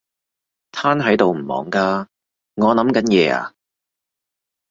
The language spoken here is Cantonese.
癱喺度唔忙㗎？我諗緊嘢呀